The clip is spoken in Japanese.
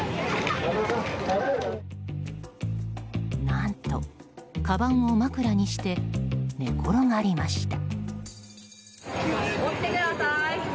何と、かばんを枕にして寝転がりました。